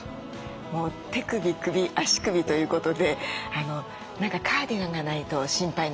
もう手首首足首ということで何かカーディガンがないと心配なんですね。